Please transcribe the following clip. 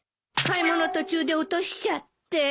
買い物途中で落としちゃって。